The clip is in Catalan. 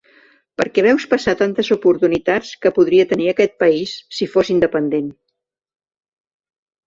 Perquè veus passar tantes oportunitats que podria tenir aquest país si fos independent.